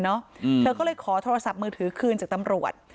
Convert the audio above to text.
เธอก็เลยขอโทรศัพท์มือถือคืนจากตำรวจ